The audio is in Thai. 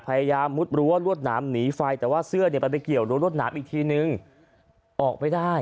พยายามรู้ว่ารวดน้ำหนีไฟแต่ว่าเสื้อไปเกี่ยวรวดน้ำอีกทีนึงออกไม่ได้